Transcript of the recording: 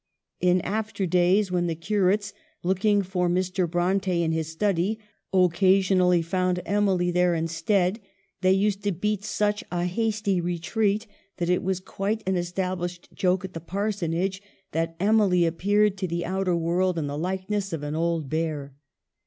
In after days when the curates, looking for Mr. Bronte in his study, occasionally found Emily there in stead, they used to beat such a hasty retreat that it was quite an established joke at the Parsonage that Emily appeared to the outer world in the likeness of an old bear.